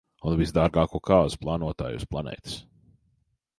Un visdārgāko kāzu plānotāju uz planētas.